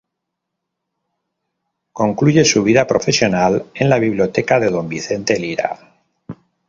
Concluye su vida profesional en la biblioteca de don Vicente Lira.